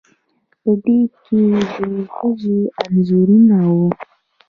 په دې کې د ښځو انځورونه وو